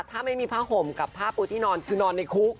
ถ้าไม่มีพระห่มกับพระบุที่นอนคือนอนในคุ้ก